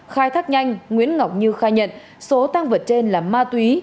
khai thác nhanh nguyễn ngọc như khai nhận số tăng vật trên là ma túy